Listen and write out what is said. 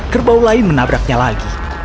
kerbau lain menabraknya lagi